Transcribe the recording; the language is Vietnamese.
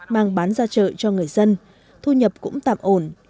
mang bán ra chợ cho người dân thu nhập cũng tạm ổn